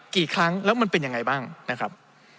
กี่ครั้งแล้วมันเป็นยังไงบ้างนะครับ